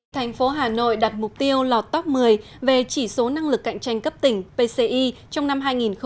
thành phố hà nội đặt mục tiêu lọt top một mươi về chỉ số năng lực cạnh tranh cấp tỉnh pci trong năm hai nghìn hai mươi